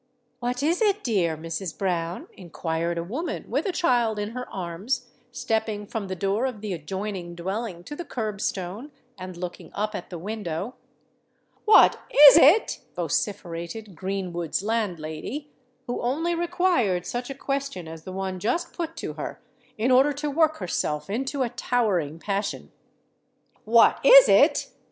"What is it, dear Mrs. Brown?" inquired a woman, with a child in her arms, stepping from the door of the adjoining dwelling to the kerb stone, and looking up at the window. "What is it?" vociferated Greenwood's landlady, who only required such a question as the one just put to her in order to work herself into a towering passion: "what is it?